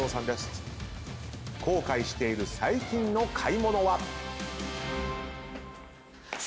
後悔している最近の買い物は？